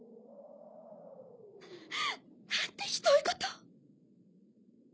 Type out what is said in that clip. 何てひどいことを。